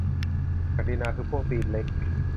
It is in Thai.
ศักดินาคือพวกตีนเล็ก ?